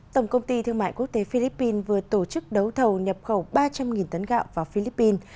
tổng công ty thương mại quốc tế philippines vừa tổ chức đấu thầu nhập khẩu ba trăm linh tấn gạo vào philippines